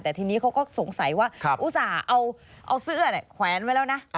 แต่ทีนี้เขาก็สงสัยว่าอุตส่าห์เอาเสื้อแขวนไว้แล้วนะ